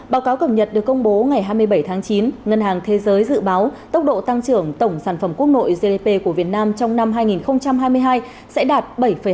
báo cáo cập nhật được công bố ngày hai mươi bảy tháng chín ngân hàng thế giới dự báo tốc độ tăng trưởng tổng sản phẩm quốc nội gdp của việt nam trong năm hai nghìn hai mươi hai sẽ đạt bảy tám